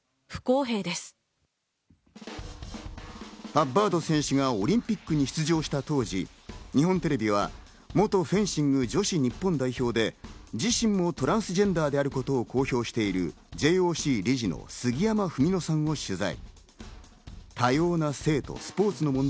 ハッバード選手がオリンピックに出場した当時、日本テレビは元フェンシング女子日本代表で自身もトランスジェンダーであることを公表しているＪＯＣ理事の杉山文野さんの取材。